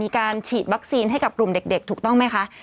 การฉีดวัคซีนให้กับกลุ่มเด็กถูกต้องไหมคะ